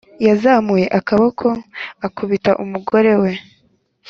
Yazamuye akaboko akubita umugore we